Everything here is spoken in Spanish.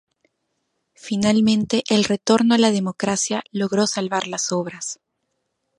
Finalmente el retorno a la democracia logró salvar las obras.